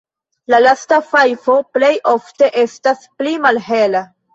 La lasta fajfo plej ofte estas pli malhela.